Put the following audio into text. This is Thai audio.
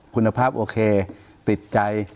คุณภาพโอเคติดใจ